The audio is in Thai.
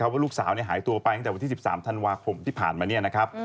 ว่าลูกสาวหายตัวไปจากวันที่๑๓ธันวาคมที่ผ่านมา